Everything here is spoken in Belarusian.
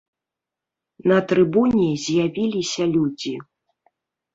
На трыбуне з'явіліся людзі.